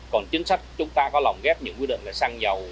còn chính sách chúng ta có lòng ghép những quy định về xăng dầu